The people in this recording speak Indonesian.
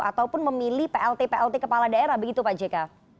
ataupun memilih plt plt kepala daerah begitu pak jk